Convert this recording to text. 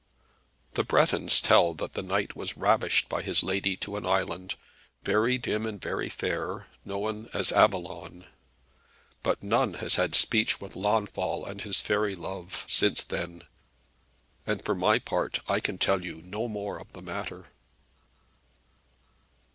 The Bretons tell that the knight was ravished by his lady to an island, very dim and very fair, known as Avalon. But none has had speech with Launfal and his faery love since then, and for my part I can tell you no more of the matter.